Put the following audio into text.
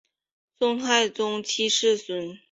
宋太宗七世孙。